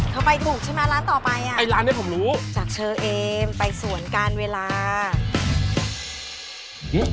เธอไปถูกใช่ไหมร้านต่อไปอ่ะจากเชอเอ็มไปสวนการเวลาไอ้ร้านนี้ผมรู้